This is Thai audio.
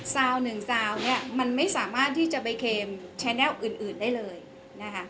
ซาวหนึ่งซาวเนี่ยมันไม่สามารถที่จะไปเคมแชนัลอื่นได้เลยนะคะ